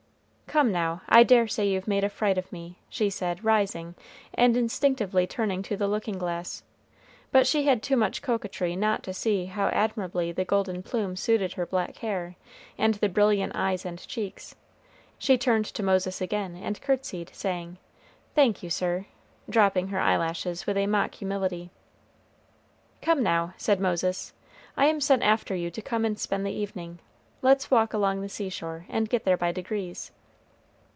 "Come, now, I dare say you've made a fright of me," she said, rising and instinctively turning to the looking glass; but she had too much coquetry not to see how admirably the golden plume suited her black hair, and the brilliant eyes and cheeks; she turned to Moses again, and courtesied, saying "Thank you, sir," dropping her eyelashes with a mock humility. "Come, now," said Moses; "I am sent after you to come and spend the evening; let's walk along the seashore, and get there by degrees."